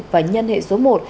và nhân hệ số một